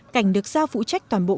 cảnh được giao phụ trách toàn bộ